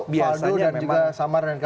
biasanya itu waldo dan juga samar dan kang dawan